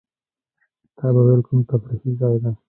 تا به وېل کوم تفریحي ځای دی.